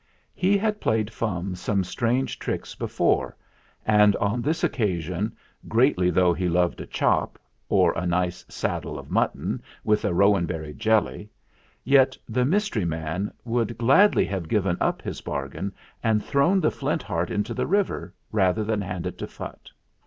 He had played Fum some strange tricks before, and on this occasion, greatly though he loved a chop, or a nice saddle of mutton with rowanberry jelly, yet the mystery man would gladly have given up his bargain and thrown the Flint Heart into the river rather than hand it to Phutt.